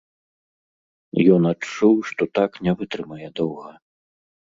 Ён адчуў, што так не вытрымае доўга.